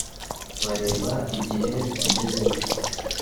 bareba igihe tugezemo”